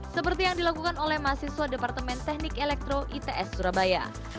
seperti yang dilakukan oleh mahasiswa departemen teknik elektro its surabaya